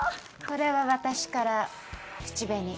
これは私から口紅。